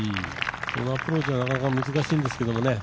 このアプローチなかなか難しいんですけどね